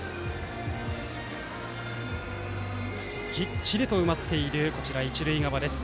ぎっちり埋まっている一塁側です。